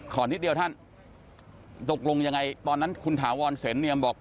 นิดเดียวท่านตกลงยังไงตอนนั้นคุณถาวรเสนเนียมบอก